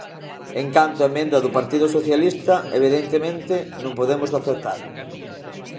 En canto á emenda do Partido Socialista, evidentemente, non podemos aceptala.